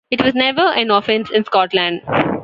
It was never an offence in Scotland.